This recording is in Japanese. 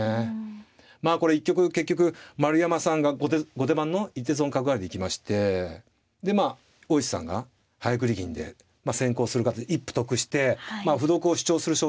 まあこれ一局結局丸山さんが後手番の一手損角換わりで行きましてでまあ大石さんが早繰り銀で先攻する形で一歩得して歩得を主張する将棋。